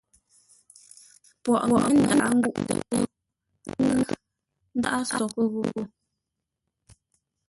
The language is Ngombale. Poghʼ ŋə̂ ndǎghʼ ngúʼtə́ ghô, Ŋə̂ ndǎghʼ nsóghʼə́ ghô.